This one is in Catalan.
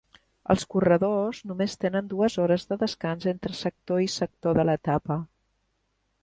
Els corredors només tenen dues hores de descans entre sector i sector de l'etapa.